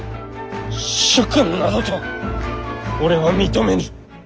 主君などと俺は認めぬ。